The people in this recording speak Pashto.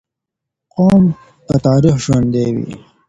قوم په تاريخ ژوندي وي.